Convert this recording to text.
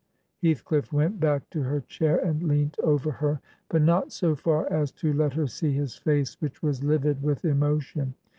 Heathcliflf went back to her chair and leant over her, but not so far as to let her see his face, which was Uvid with emotion.